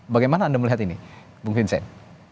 bagaimana anda melihat ini bung vincent